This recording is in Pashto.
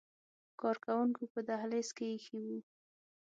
کارکوونکو په دهلیز کې ایښي وو.